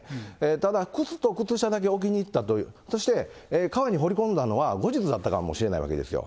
ただ靴と靴下だけ置きに行ったと、そして川にほり込んだのは後日だったかもしれないわけですよ。